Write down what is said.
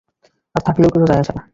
আর থাকলেও কিছু যায় আসে না।